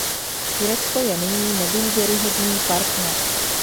Turecko je nyní nedůvěryhodný partner.